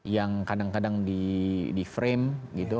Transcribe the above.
yang kadang kadang di frame gitu